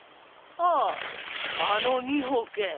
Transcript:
あああの美穂け？